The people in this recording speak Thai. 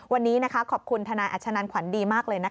วันนี้ขอบคุณทนายอัชนันขวัญดีมากเลยนะคะ